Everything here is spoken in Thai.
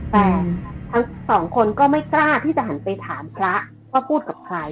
แต่ทั้งสองคนก็ไม่กล้าที่จะหันไปถามพระว่าพูดกับใคร